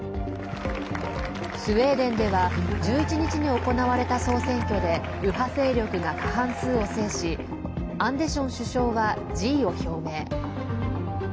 スウェーデンでは１１日に行われた総選挙で右派勢力が過半数を制しアンデション首相は辞意を表明。